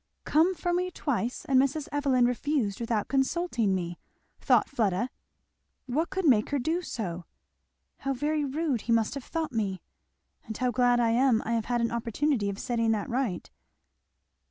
"Come for me twice and Mrs. Evelyn refused without consulting me!" thought Fleda. "What could make her do so? How very rude he must have thought me! And how glad I am I have had an opportunity of setting that right."